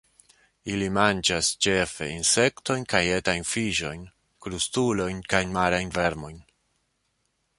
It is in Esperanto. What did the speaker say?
Ili manĝas ĉefe insektojn kaj etajn fiŝojn, krustulojn kaj marajn vermojn.